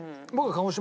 鹿児島。